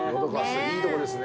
いいとこですね。